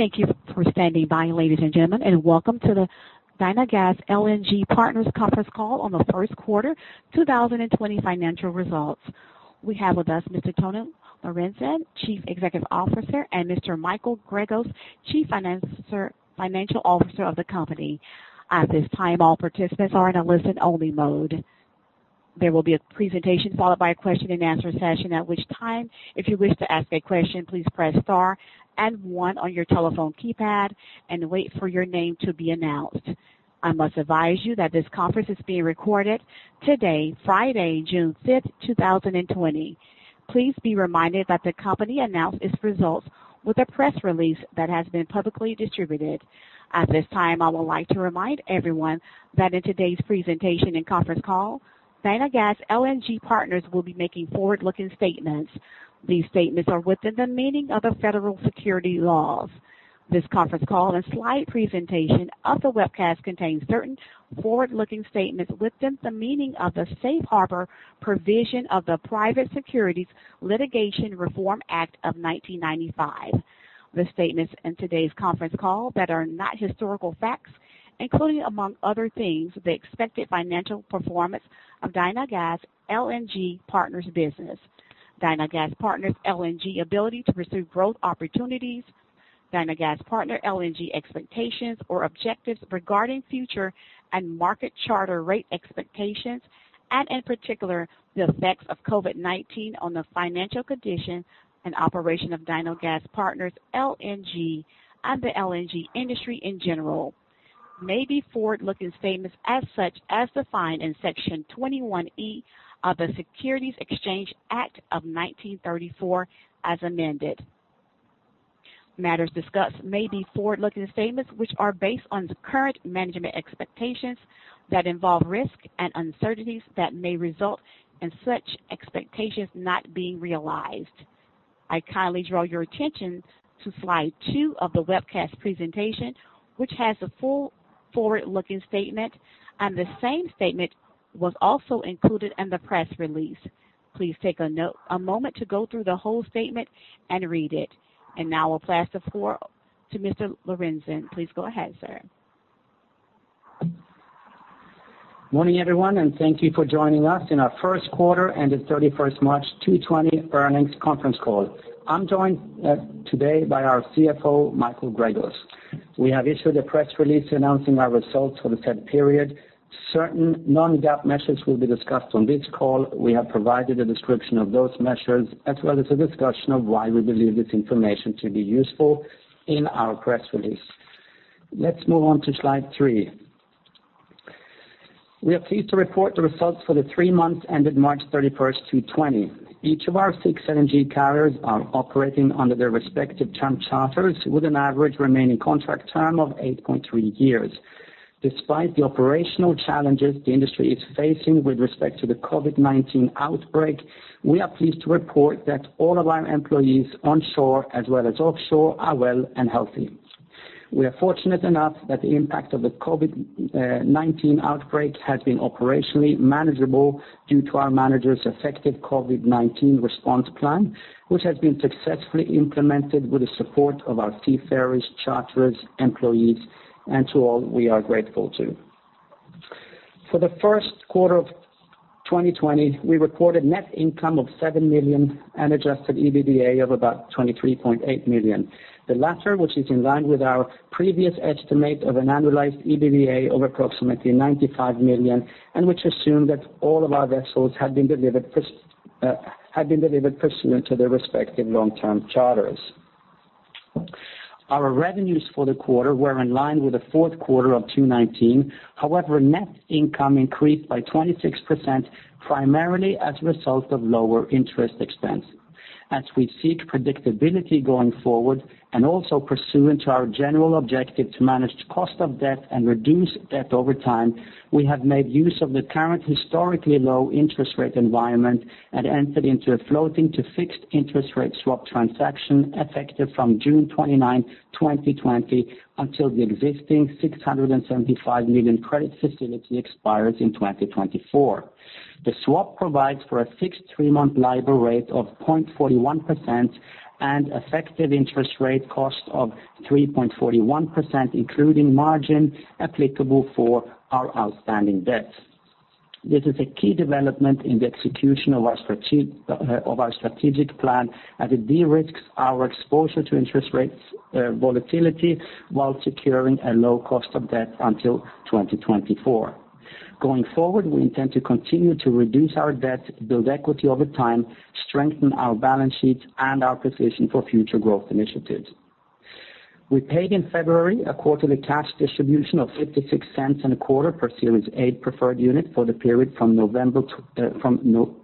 Thank you for standing by, ladies and gentlemen, and welcome to the Dynagas LNG Partners conference call on the first quarter 2020 financial results. We have with us Mr. Tony Lauritzen, Chief Executive Officer, and Mr. Michael Gregos, Chief Financial Officer of the company. At this time, all participants are in a listen-only mode. There will be a presentation followed by a question-and-answer session. At which time, if you wish to ask a question, please press star and one on your telephone keypad and wait for your name to be announced. I must advise you that this conference is being recorded today, Friday, June 5th, 2020. Please be reminded that the company announced its results with a press release that has been publicly distributed. At this time, I would like to remind everyone that in today's presentation and conference call, Dynagas LNG Partners will be making forward-looking statements. These statements are within the meaning of the Federal Securities laws. This conference call and slide presentation of the webcast contains certain forward-looking statements within the meaning of the safe harbor provision of the Private Securities Litigation Reform Act of 1995. The statements in today's conference call that are not historical facts, including, among other things, the expected financial performance of Dynagas LNG Partners business. Dynagas LNG Partners ability to pursue growth opportunities, Dynagas LNG Partners expectations or objectives regarding future and market charter rate expectations and, in particular, the effects of COVID-19 on the financial condition and operation of Dynagas LNG Partners and the LNG industry in general, may be forward-looking statements as defined in Section 21E of the Securities Exchange Act of 1934 as amended. Matters discussed may be forward-looking statements which are based on the current management expectations that involve risks and uncertainties that may result in such expectations not being realized. I kindly draw your attention to slide two of the webcast presentation, which has the full forward-looking statement, and the same statement was also included in the press release. Please take a moment to go through the whole statement and read it. Now I'll pass the floor to Mr. Lauritzen. Please go ahead, sir. Morning, everyone. Thank you for joining us in our first quarter and March 31st, 2020 earnings conference call. I'm joined today by our CFO, Michael Gregos. We have issued a press release announcing our results for the said period. Certain non-GAAP measures will be discussed on this call. We have provided a description of those measures as well as a discussion of why we believe this information to be useful in our press release. Let's move on to slide three. We are pleased to report the results for the three months ended March 31st, 2020. Each of our six LNG carriers are operating under their respective term charters with an average remaining contract term of 8.3 years. Despite the operational challenges the industry is facing with respect to the COVID-19 outbreak, we are pleased to report that all of our employees onshore as well as offshore are well and healthy. We are fortunate enough that the impact of the COVID-19 outbreak has been operationally manageable due to our manager's effective COVID-19 response plan, which has been successfully implemented with the support of our seafarers, charterers, employees, and to all, we are grateful to. For the first quarter of 2020, we reported net income of $7 million and Adjusted EBITDA of about $23.8 million, the latter which is in line with our previous estimate of an annualized EBITDA of approximately $95 million and which assumed that all of our vessels had been delivered pursuant to their respective long-term charters. Our revenues for the quarter were in line with the fourth quarter of 2019. However, net income increased by 26%, primarily as a result of lower interest expense. As we seek predictability going forward and also pursuant to our general objective to manage cost of debt and reduce debt over time, we have made use of the current historically low interest rate environment and entered into a floating to fixed interest rate swap transaction effective from June 29th, 2020, until the existing $675 million credit facility expires in 2024. The swap provides for a fixed three-month LIBOR rate of 0.41% and effective interest rate cost of 3.41%, including margin applicable for our outstanding debt. This is a key development in the execution of our strategic plan as it de-risks our exposure to interest rates volatility while securing a low cost of debt until 2024. Going forward, we intend to continue to reduce our debt, build equity over time, strengthen our balance sheet, and our position for future growth initiatives. We paid in February a quarterly cash distribution of 56 cents and a quarter per Series A Preferred Unit for the period from November 12th,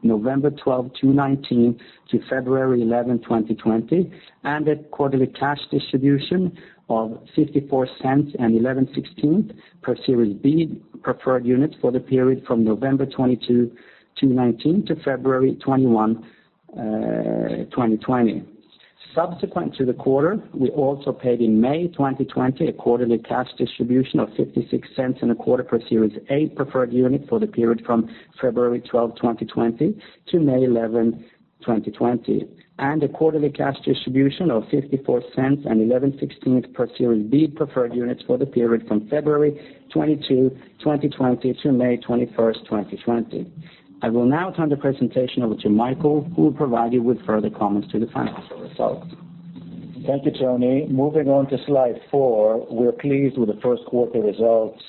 2019 to February 11, 2020, and a quarterly cash distribution of $0.546875 per Series B Preferred Unit for the period from November 22nd, 2019 to February 21st, 2020. Subsequent to the quarter, we also paid in May 2020 a quarterly cash distribution of 56 cents and a quarter per Series A Preferred Unit for the period from February 12th, 2020 to May 11th, 2020, and a quarterly cash distribution of $0.546875 per Series B Preferred Units for the period from February 22nd, 2020 to May 21st, 2020. I will now turn the presentation over to Michael, who will provide you with further comments to the financial results. Thank you, Tony. Moving on to slide four. We're pleased with the first quarter results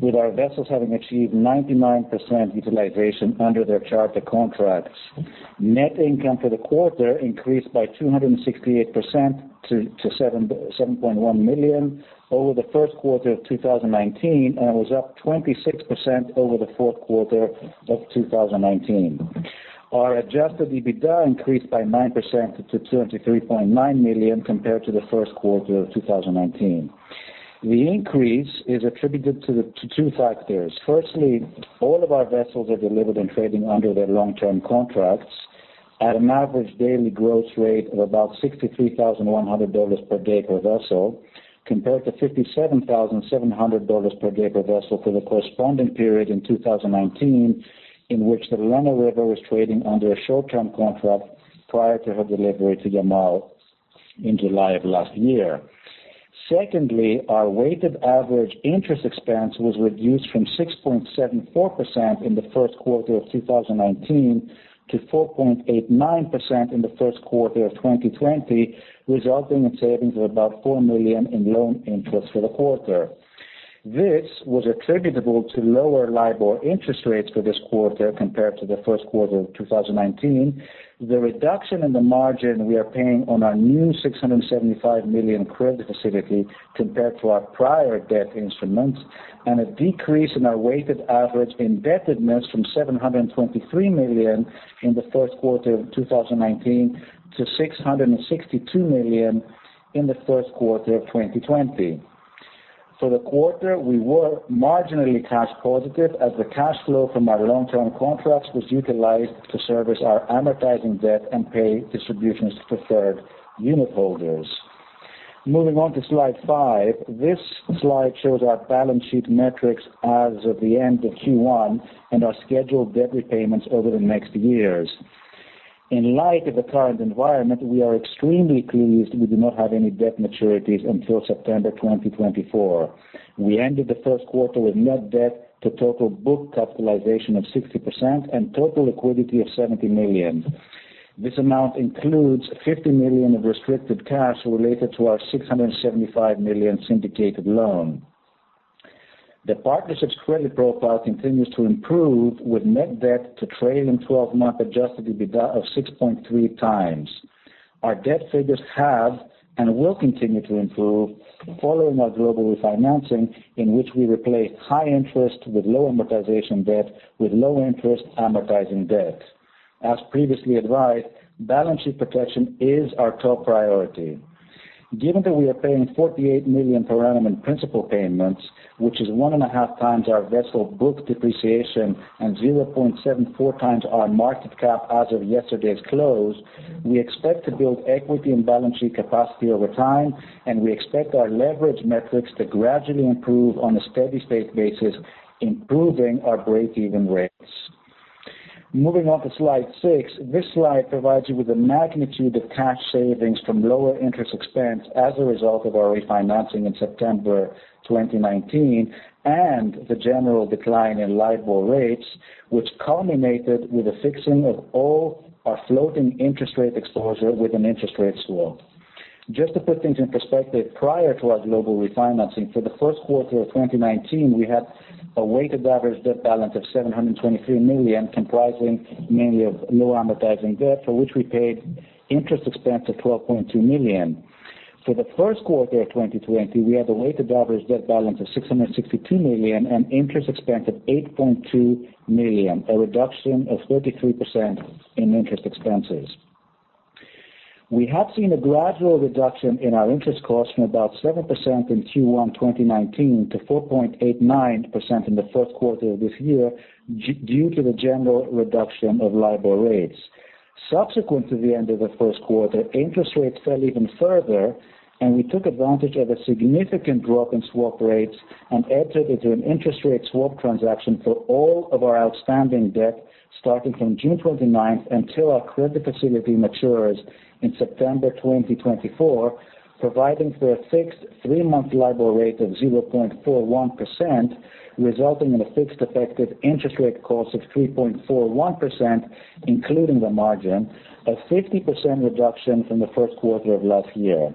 with our vessels having achieved 99% utilization under their charter contracts. Net income for the quarter increased by 268% to $7.1 million over the first quarter of 2019, and was up 26% over the fourth quarter of 2019. Our Adjusted EBITDA increased by 9% to $23.9 million compared to the first quarter of 2019. The increase is attributed to two factors. Firstly, all of our vessels are delivered and trading under their long-term contracts at an average daily gross rate of about $63,100 per day per vessel, compared to $57,700 per day per vessel for the corresponding period in 2019, in which the Lena River was trading under a short-term contract prior to her delivery to Yamal in July of last year. Secondly, our weighted average interest expense was reduced from 6.74% in the first quarter of 2019 to 4.89% in the first quarter of 2020, resulting in savings of about $4 million in loan interest for the quarter. This was attributable to lower LIBOR interest rates for this quarter compared to the first quarter of 2019. The reduction in the margin we are paying on our new $675 million credit facility compared to our prior debt instruments, and a decrease in our weighted average indebtedness from $723 million in the first quarter of 2019 to $662 million in the first quarter of 2020. For the quarter, we were marginally cash positive as the cash flow from our long-term contracts was utilized to service our amortizing debt and pay distributions to preferred unitholders. Moving on to slide five. This slide shows our balance sheet metrics as of the end of Q1 and our scheduled debt repayments over the next years. In light of the current environment, we are extremely pleased we do not have any debt maturities until September 2024. We ended the first quarter with net debt to total book capitalization of 60% and total liquidity of $70 million. This amount includes $50 million of restricted cash related to our $675 million syndicated loan. The partnership's credit profile continues to improve with net debt to trailing 12-month Adjusted EBITDA of 6.3x. Our debt figures have and will continue to improve following our global refinancing in which we replace high interest with low amortization debt with low interest amortizing debt. As previously advised, balance sheet protection is our top priority. Given that we are paying $48 million per annum in principal payments, which is one and a half times our vessel book depreciation and 0.74x our market cap as of yesterday's close, we expect to build equity and balance sheet capacity over time, and we expect our leverage metrics to gradually improve on a steady state basis, improving our break-even rates. Moving on to slide six. This slide provides you with the magnitude of cash savings from lower interest expense as a result of our refinancing in September 2019, and the general decline in LIBOR rates, which culminated with the fixing of all our floating interest rate exposure with an interest rate swap. Just to put things in perspective, prior to our global refinancing, for the first quarter of 2019, we had a weighted average debt balance of $723 million, comprising mainly of low amortizing debt, for which we paid interest expense of $12.2 million. For the first quarter of 2020, we had a weighted average debt balance of $662 million and interest expense of $8.2 million, a reduction of 33% in interest expenses. We have seen a gradual reduction in our interest cost from about 7% in Q1 2019 to 4.89% in the first quarter of this year due to the general reduction of LIBOR rates. Subsequent to the end of the first quarter, interest rates fell even further. We took advantage of a significant drop in swap rates and entered into an interest rate swap transaction for all of our outstanding debt starting from June 29th until our credit facility matures in September 2024, providing for a fixed three-month LIBOR rate of 0.41%, resulting in a fixed effective interest rate cost of 3.41%, including the margin, a 50% reduction from the first quarter of last year.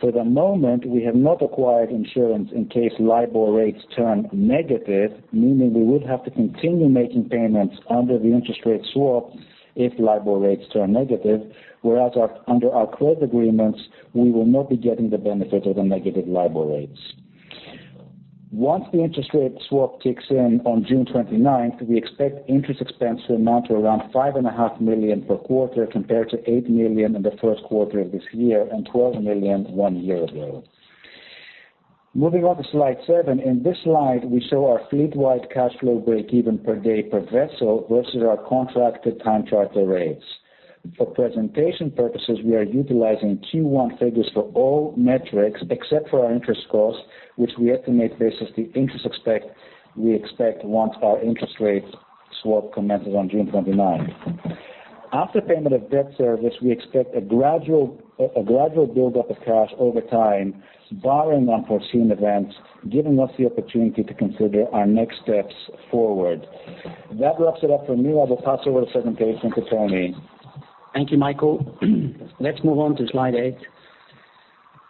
For the moment, we have not acquired insurance in case LIBOR rates turn negative, meaning we would have to continue making payments under the interest rate swap if LIBOR rates turn negative, whereas under our credit agreements, we will not be getting the benefit of the negative LIBOR rates. Once the interest rate swap kicks in on June 29th, we expect interest expense to amount to around $5.5 million per quarter compared to $8 million in the first quarter of this year and $12 million one year ago. Moving on to slide seven. In this slide, we show our fleet-wide cash flow break even per day per vessel versus our contracted time charter rates. For presentation purposes, we are utilizing Q1 figures for all metrics except for our interest cost, which we estimate versus the interest we expect once our interest rate swap commences on June 29th. After payment of debt service, we expect a gradual buildup of cash over time, barring unforeseen events, giving us the opportunity to consider our next steps forward. That wraps it up for me. I will pass over the presentation to Tony. Thank you, Michael. Let's move on to slide eight.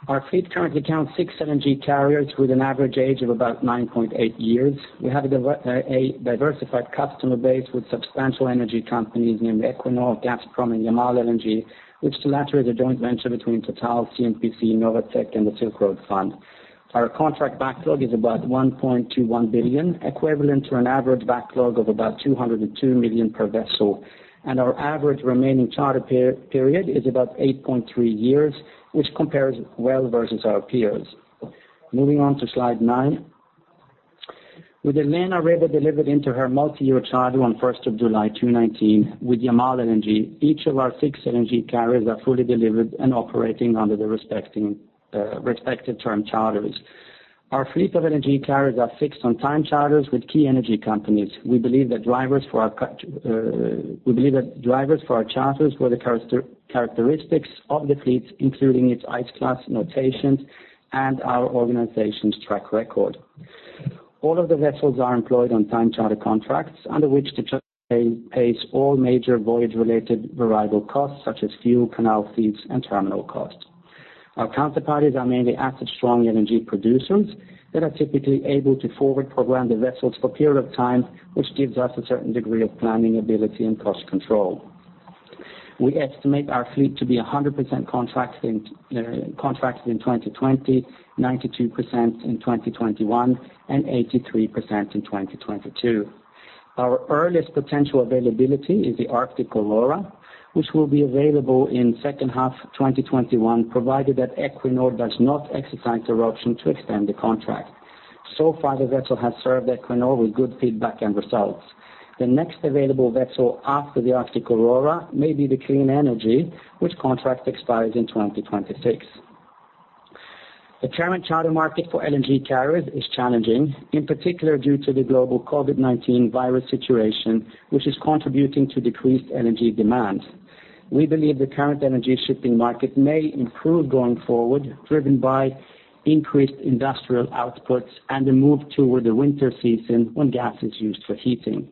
Our fleet currently counts six LNG carriers with an average age of about 9.8 years. We have a diversified customer base with substantial energy companies, namely Equinor, Gazprom, and Yamal LNG, which the latter is a joint venture between Total, CNPC, Novatek, and the Silk Road Fund. Our contract backlog is about $1.21 billion, equivalent to an average backlog of about $202 million per vessel, and our average remaining charter period is about 8.3 years, which compares well versus our peers. Moving on to slide nine. With Lena River delivered into her multi-year charter on the first of July 2019 with Yamal LNG, each of our six LNG carriers are fully delivered and operating under their respective term charters. Our fleet of LNG carriers are fixed on time charters with key energy companies. We believe that the drivers for our charters were the characteristics of the fleet, including its ice class notations and our organization's track record. All of the vessels are employed on time charter contracts, under which the charterer pays all major voyage related variable costs such as fuel, canal fees, and terminal costs. Our counterparties are mainly asset-strong LNG producers that are typically able to forward program the vessels for a period of time, which gives us a certain degree of planning ability and cost control. We estimate our fleet to be 100% contracted in 2020, 92% in 2021, and 83% in 2022. Our earliest potential availability is the Arctic Aurora, which will be available in the second half of 2021, provided that Equinor does not exercise their option to extend the contract. So far, the vessel has served Equinor with good feedback and results. The next available vessel after the Arctic Aurora may be the Clean Energy, which contract expires in 2026. The current charter market for LNG carriers is challenging, in particular due to the global COVID-19 virus situation, which is contributing to decreased LNG demand. We believe the current LNG shipping market may improve going forward, driven by increased industrial outputs and a move toward the winter season when gas is used for heating.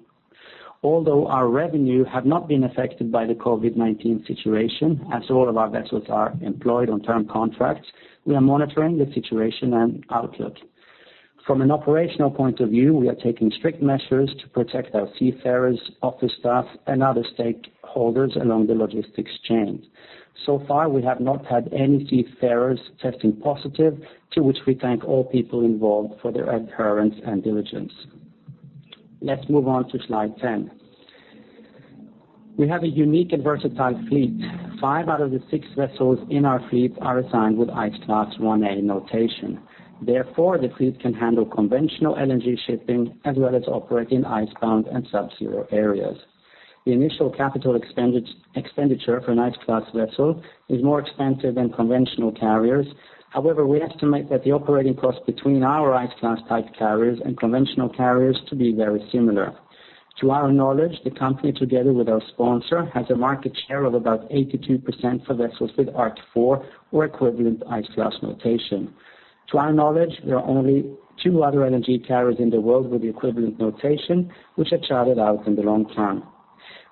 Although our revenue have not been affected by the COVID-19 situation, as all of our vessels are employed on term contracts, we are monitoring the situation and outlook. From an operational point of view, we have taken strict measure to protect our seafarers, office staff and other stakeholders along the logistics chain. So far, we have not had any seafarers testing positive, to which we thank all people involved for their adherence and diligence. Let's move on to slide 10. We have a unique and versatile fleet. Five out of the six vessels in our fleet are assigned with ice class 1A notation. The fleet can handle conventional LNG shipping as well as operate in icebound and subzero areas. The initial CapEx for an ice class vessel is more expensive than conventional carriers. We estimate that the operating cost between our ice class type carriers and conventional carriers to be very similar. To our knowledge, the company together with our sponsor has a market share of about 82% for vessels with ARC4 or equivalent ice class notation. To our knowledge, there are only two other LNG carriers in the world with the equivalent notation, which are chartered out in the long term.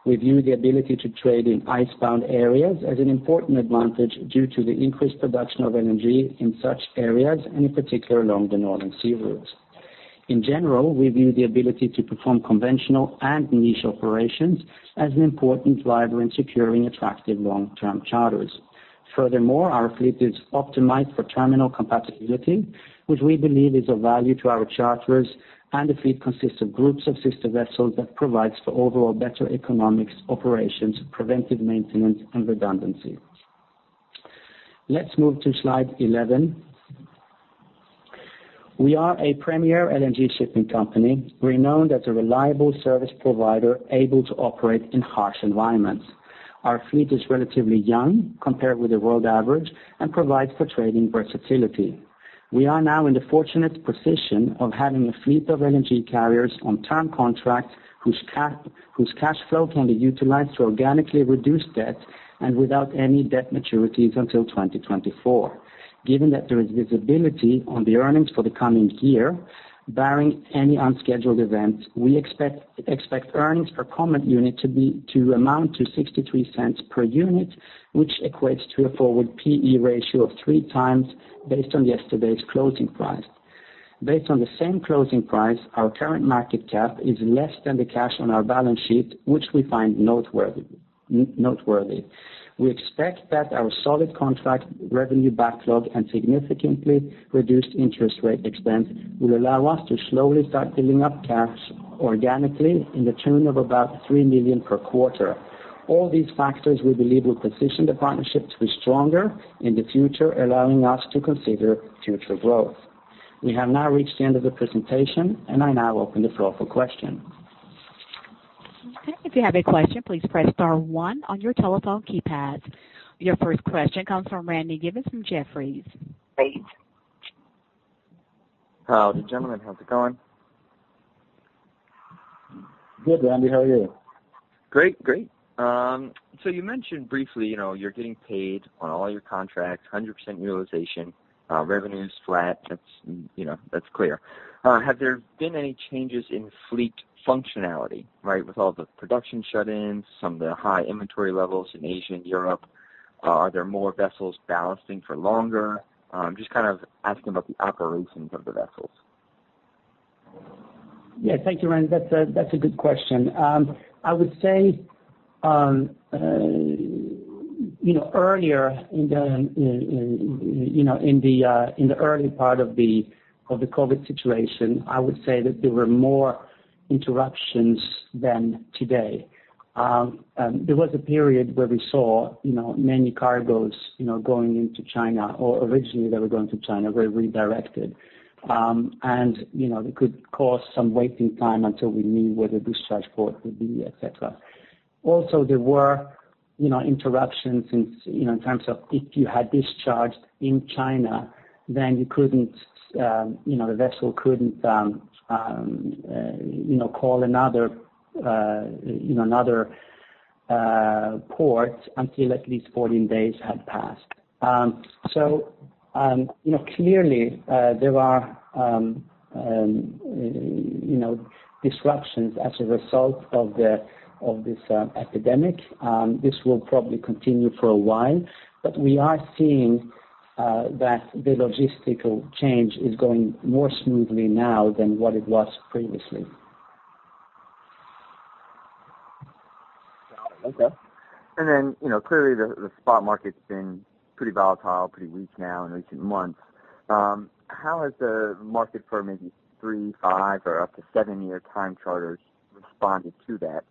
We view the ability to trade in icebound areas as an important advantage due to the increased production of LNG in such areas, and in particular, along the northern sea routes. In general, we view the ability to perform conventional and niche operations as an important driver in securing attractive long-term charters. Furthermore, our fleet is optimized for terminal compatibility, which we believe is of value to our charterers, and the fleet consists of groups of sister vessels that provides for overall better economic operations, preventive maintenance, and redundancy. Let's move to slide 11. We are a premier LNG shipping company, renowned as a reliable service provider able to operate in harsh environments. Our fleet is relatively young compared with the world average and provides for trading versatility. We are now in the fortunate position of having a fleet of LNG carriers on term contracts whose cash flow can be utilized to organically reduce debt, and without any debt maturities until 2024. Given that there is visibility on the earnings for the coming year, barring any unscheduled events, we expect earnings per common unit to amount to $0.63 per unit, which equates to a forward P/E ratio of 3x based on yesterday's closing price. Based on the same closing price, our current market cap is less than the cash on our balance sheet, which we find noteworthy. We expect that our solid contract revenue backlog and significantly reduced interest rate expense will allow us to slowly start building up cash organically in the tune of about $3 million per quarter. All these factors we believe will position the partnership to be stronger in the future, allowing us to consider future growth. We have now reached the end of the presentation. I now open the floor for questions. Okay. If you have a question, please press star one on your telephone keypads. Your first question comes from Randy Giveans from Jefferies. Howdy, gentlemen. How's it going? Good, Randy. How are you? Great. You mentioned briefly, you're getting paid on all your contracts, 100% utilization. Revenue's flat, that's clear. Have there been any changes in fleet functionality, right? With all the production shut-ins, some of the high inventory levels in Asia and Europe. Are there more vessels ballasting for longer? Just kind of asking about the operations of the vessels. Thank you, Randy. That's a good question. I would say in the early part of the COVID-19 situation, I would say that there were more interruptions than today. There was a period where we saw many cargos going into China, or originally that were going to China, were redirected. It could cause some waiting time until we knew whether discharge port would be, et cetera. There were interruptions in terms of if you had discharged in China, then the vessel couldn't call another port until at least 14 days had passed. Clearly, there are disruptions as a result of this epidemic. This will probably continue for a while. We are seeing that the logistical change is going more smoothly now than what it was previously. Okay. Clearly the spot market's been pretty volatile, pretty weak now in recent months. How has the market for maybe three, five, or up to seven-year time charters responded to that?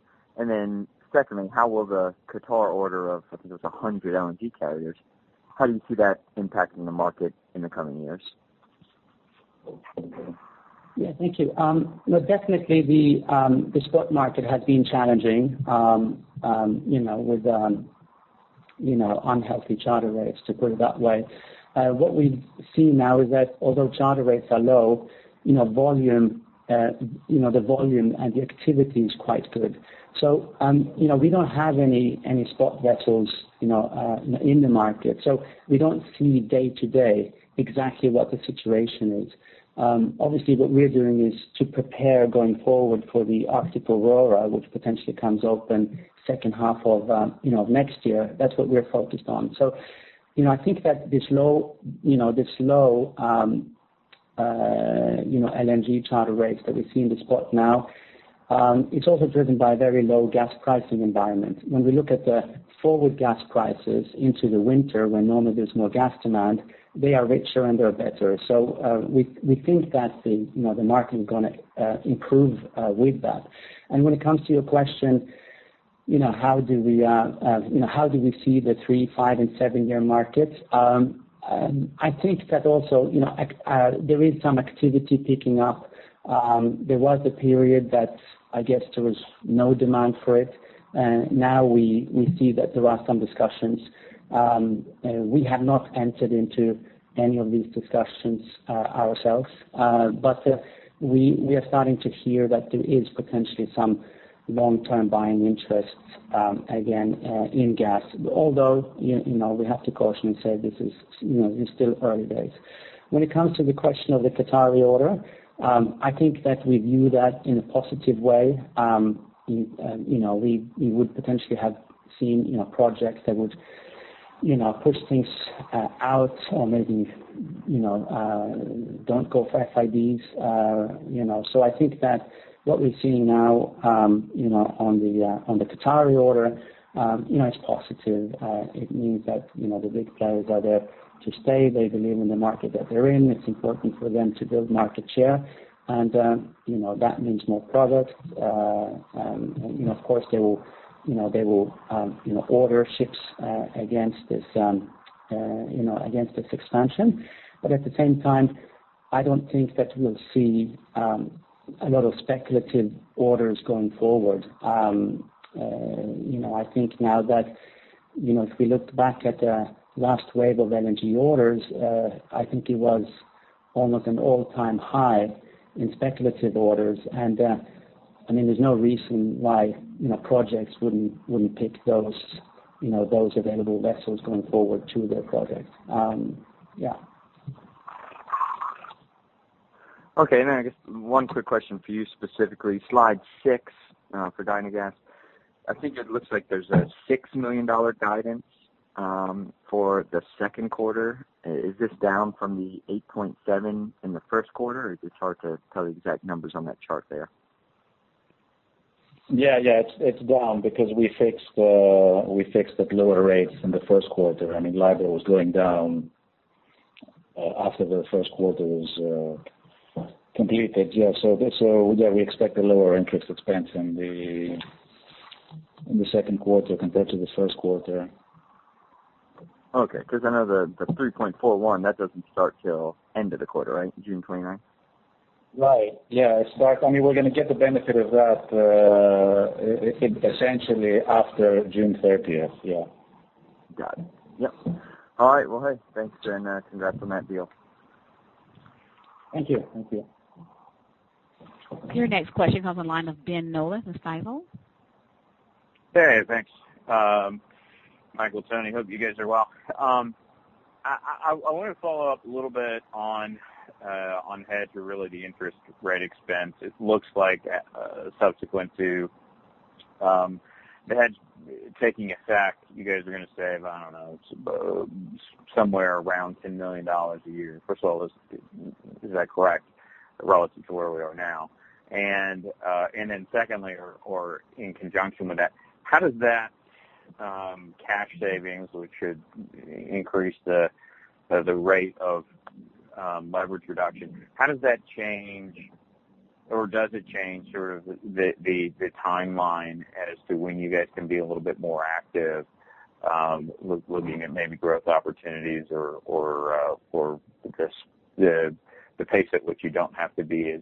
Secondly, how will the Qatari order of, I think it was 100 LNG carriers, how do you see that impacting the market in the coming years? Yeah, thank you. No, definitely the spot market has been challenging, with unhealthy charter rates, to put it that way. What we see now is that although charter rates are low, the volume and the activity is quite good. We don't have any spot vessels in the market. We don't see day to day exactly what the situation is. Obviously, what we're doing is to prepare going forward for the Arctic Aurora, which potentially comes open second half of next year. That's what we're focused on. I think that this low LNG charter rates that we see in the spot now, it's also driven by very low gas pricing environment. When we look at the forward gas prices into the winter, when normally there's more gas demand, they are richer and they are better. We think that the market is going to improve with that. When it comes to your question, how do we see the three, five, and seven-year markets? I think that also there is some activity picking up. There was a period that I guess there was no demand for it. Now we see that there are some discussions. We have not entered into any of these discussions ourselves. We are starting to hear that there is potentially some long-term buying interest, again, in gas. Although, we have to caution and say this is still early days. When it comes to the question of the Qatari order, I think that we view that in a positive way. We would potentially have seen projects that would push things out or maybe don't go for FIDs. I think that what we're seeing now on the Qatari order, it's positive. It means that the big players are there to stay. They believe in the market that they're in. It's important for them to build market share. That means more product. Of course, they will order ships against this expansion. At the same time, I don't think that we'll see a lot of speculative orders going forward. I think now that if we look back at the last wave of LNG orders, I think it was almost an all-time high in speculative orders. I mean, there's no reason why projects wouldn't pick those available vessels going forward to their projects. Yeah. Okay, I guess one quick question for you specifically. Slide six, for Dynagas. I think it looks like there's a $6 million guidance for the second quarter. Is this down from the $8.7 million in the first quarter, or is it hard to tell the exact numbers on that chart there? Yeah. It's down because we fixed at lower rates in the first quarter. I mean, LIBOR was going down after the first quarter was completed. Yeah. Yeah, we expect a lower interest expense in the second quarter compared to the first quarter. Okay. I know the $3.41, that doesn't start till end of the quarter, right? June 29th? Right. Yeah. I mean, we're going to get the benefit of that, essentially after June 30th. Yeah. Got it. Yep. All right. Well, hey, thanks, and congrats on that deal. Thank you. Your next question comes on the line of Ben Nolan with Stifel. Hey, thanks. Michael, Tony, hope you guys are well. I want to follow up a little bit on hedge or really the interest rate expense. It looks like subsequent to the hedge taking effect, you guys are going to save, I don't know, somewhere around $10 million a year, first of all, is that correct, relative to where we are now? Secondly, or in conjunction with that, how does that cash savings, which should increase the rate of leverage reduction, how does that change, or does it change sort of the timeline as to when you guys can be a little bit more active, looking at maybe growth opportunities or just the pace at which you don't have to be as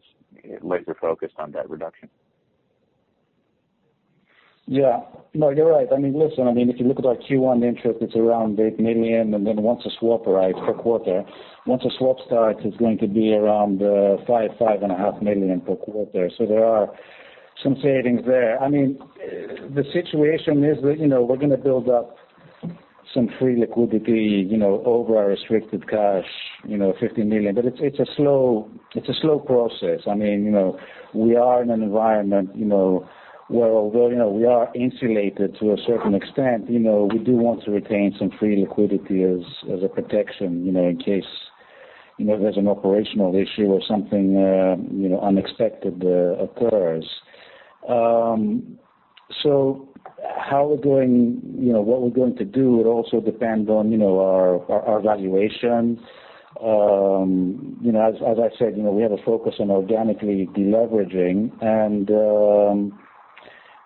laser-focused on debt reduction? Yeah. No, you're right. If you look at our Q1 interest, it's around $8 million, and then once the swap arrives per quarter, once the swap starts, it's going to be around $5.5 million per quarter. There are some savings there. The situation is that we're going to build up some free liquidity, over our restricted cash, $15 million. It's a slow process. We are in an environment, where although we are insulated to a certain extent, we do want to retain some free liquidity as a protection, in case there's an operational issue or something unexpected occurs. What we're going to do would also depend on our valuation. As I said, we have a focus on organically de-leveraging, and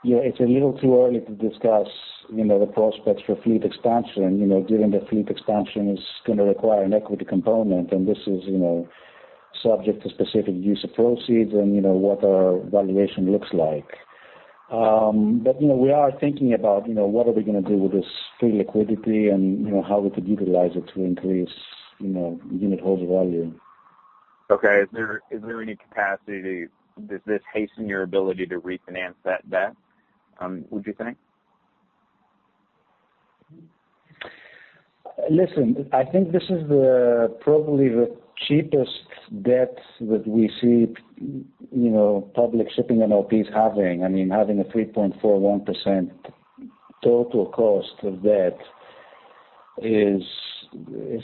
it's a little too early to discuss the prospects for fleet expansion, given that fleet expansion is going to require an equity component, and this is subject to specific use of proceeds and what our valuation looks like. We are thinking about what are we going to do with this free liquidity and how we could utilize it to increase unit holder value. Okay. Is there any capacity? Does this hasten your ability to refinance that debt, would you think? Listen, I think this is probably the cheapest debt that we see public shipping LPs having. Having a 3.41% total cost of debt is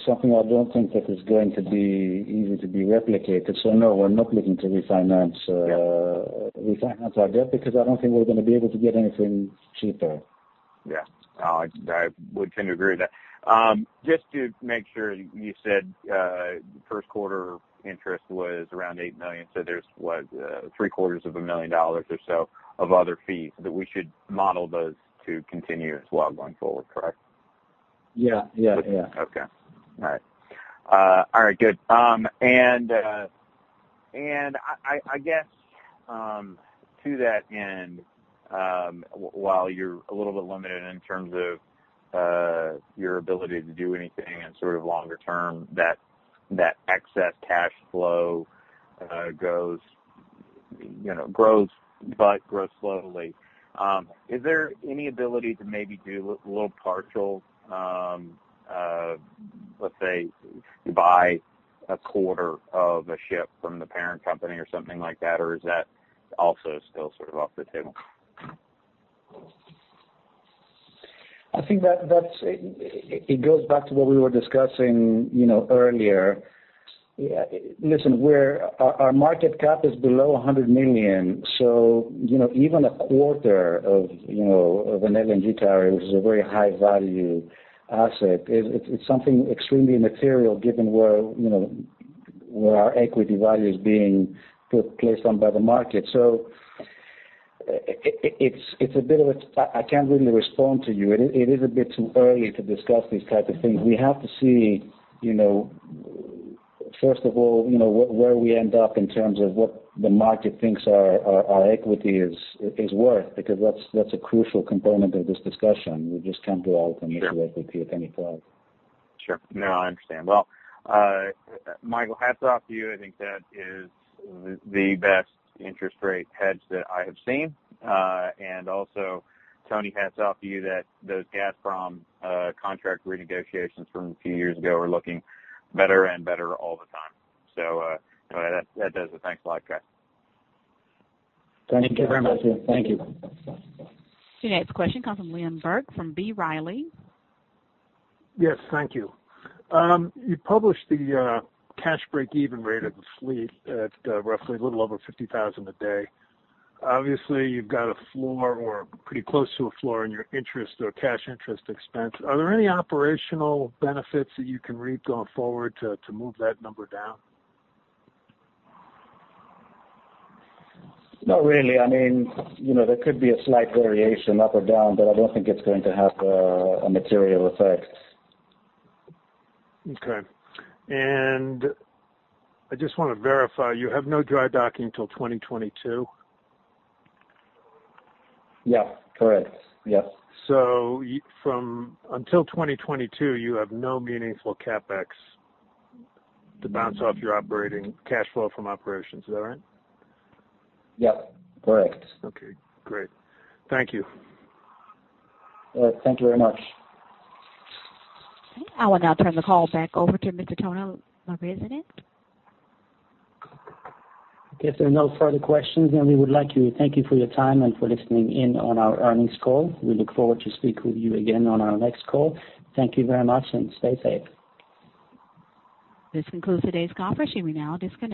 something I don't think that is going to be easy to be replicated. No, we're not looking to refinance. Yeah. Our debt, because I don't think we're going to be able to get anything cheaper. Yeah. I would tend to agree with that. Just to make sure, you said first quarter interest was around $8 million, so there's, what, three-quarters of a million dollars or so of other fees that we should model those to continue as well going forward, correct? Yeah. Okay. All right. All right, good. I guess to that end, while you're a little bit limited in terms of your ability to do anything in sort of longer term, that excess cash flow grows but grows slowly. Is there any ability to maybe do a little partial, let's say, buy a quarter of a ship from the parent company or something like that, or is that also still sort of off the table? I think that it goes back to what we were discussing earlier. Listen, our market cap is below $100 million. Even a quarter of an LNG carrier, which is a very high-value asset, it's something extremely immaterial given where our equity value is being placed on by the market. It's a bit of, I can't really respond to you. It is a bit too early to discuss these type of things. We have to see, first of all, where we end up in terms of what the market thinks our equity is worth, because that's a crucial component of this discussion. We just can't go out and issue equity at any price. Sure. No, I understand. Well, Michael, hats off to you. I think that is the best interest rate hedge that I have seen. Also, Tony, hats off to you that those Gazprom contract renegotiations from a few years ago are looking better and better all the time. That does it. Thanks a lot, guys. Thank you very much. Your next question comes from Liam Burke from B. Riley. Yes, thank you. You published the cash break-even rate of the fleet at roughly a little over $50,000 a day. Obviously, you've got a floor or pretty close to a floor in your interest or cash interest expense. Are there any operational benefits that you can reap going forward to move that number down? Not really. There could be a slight variation up or down, but I don't think it's going to have a material effect. Okay. I just want to verify, you have no dry docking till 2022? Yeah. Correct. Yes. Until 2022, you have no meaningful CapEx to bounce off your cash flow from operations. Is that right? Yep. Correct. Okay, great. Thank you. Thank you very much. I will now turn the call back over to Mr. Tony, our President. If there are no further questions, we would like to thank you for your time and for listening in on our earnings call. We look forward to speak with you again on our next call. Thank you very much, and stay safe. This concludes today's conference. You may now disconnect.